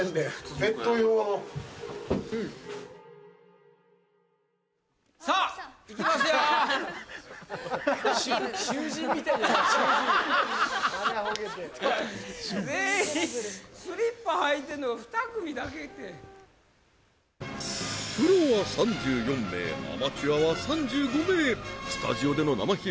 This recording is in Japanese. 全員スリッパ履いてんのが２組だけってプロは３４名アマチュアは３５名スタジオでの生披露